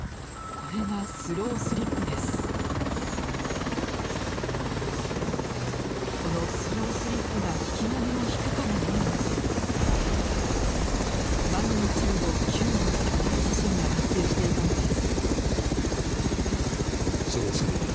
このスロースリップが引き金を引くかのようにマグニチュード９の巨大地震が発生していたのです。